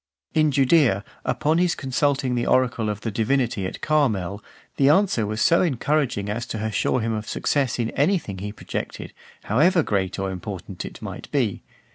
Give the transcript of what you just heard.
In Judaea, upon his consulting the oracle of the divinity at Carmel , the answer was so encouraging as to assure him of success in anything he projected, however great or important it might be.